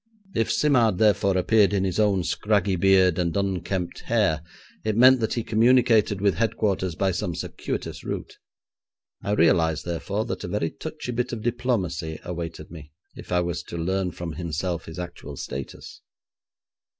If Simard, therefore, appeared in his own scraggy beard and unkempt hair it meant that he communicated with headquarters by some circuitous route. I realised, therefore, that a very touchy bit of diplomacy awaited me if I was to learn from himself his actual status.